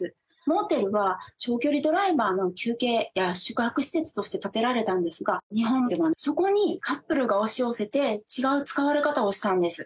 モーテルは長距離ドライバーの休憩や宿泊施設として建てられたんですが日本ではそこにカップルが押し寄せて違う使われ方をしたんです。